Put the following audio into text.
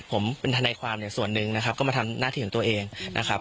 ผมเป็นทนายความเนี่ยส่วนหนึ่งนะครับก็มาทำหน้าที่ของตัวเองนะครับ